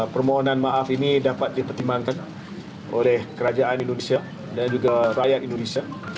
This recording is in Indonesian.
permohonan maaf ini dapat dipertimbangkan oleh kerajaan indonesia dan juga rakyat indonesia